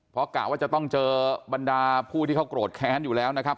เพราะกะว่าจะต้องเจอบรรดาผู้ที่เขาโกรธแค้นอยู่แล้วนะครับ